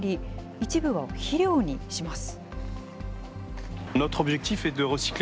一部を肥料にします。